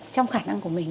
trong khả năng của mình